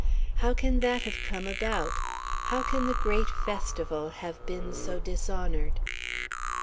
how can that have come about, how can the great festival have been so dishonoured?